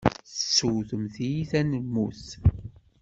Tettewtem tiyita n lmut.